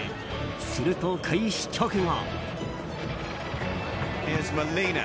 すると開始直後。